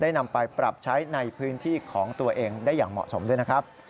นำไปปรับใช้ในพื้นที่ของตัวเองได้อย่างเหมาะสมด้วยนะครับ